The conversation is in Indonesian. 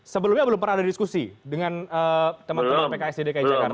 sebelumnya belum pernah ada diskusi dengan teman teman pks di dki jakarta